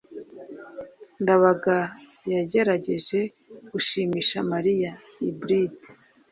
ndabaga yagerageje gushimisha mariya. (hybrid